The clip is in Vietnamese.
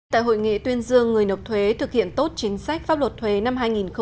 tại hội nghị tuyên dương người nộp thuế thực hiện tốt chính sách pháp luật thuế năm hai nghìn một mươi chín